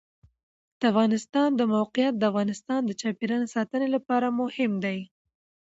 د افغانستان د موقعیت د افغانستان د چاپیریال ساتنې لپاره مهم دي.